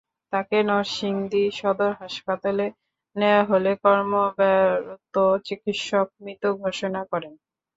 তাঁকে নরসিংদী সদর হাসপাতালে নেওয়া হলে কর্তব্যরত চিকিৎসক মৃত ঘোষণা করেন।